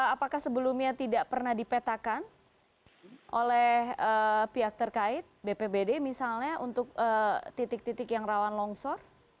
apakah sebelumnya tidak pernah dipetakan oleh pihak terkait bpbd misalnya untuk titik titik yang rawan longsor